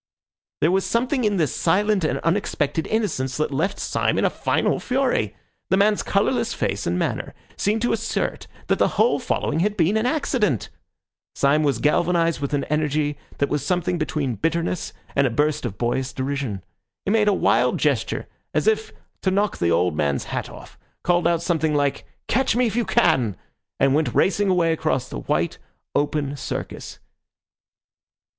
There was something in this silent and unexpected innocence that left Syme in a final fury. The man's colourless face and manner seemed to assert that the whole following had been an accident. Syme was galvanised with an energy that was something between bitterness and a burst of boyish derision. He made a wild gesture as if to knock the old man's hat off, called out something like "Catch me if you can," and went racing away across the white, open Circus.